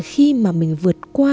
khi mà mình vượt qua